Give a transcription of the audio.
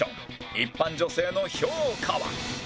一般女性の評価は？